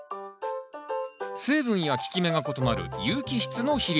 成分や効き目が異なる有機質の肥料。